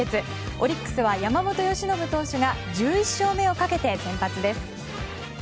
オリックスは山本由伸投手が１１勝目をかけ先発。